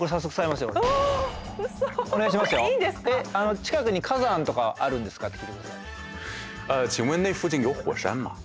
近くに火山とかあるんですかって聞いてください。